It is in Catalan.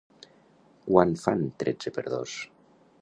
Quant fan tretze per dos.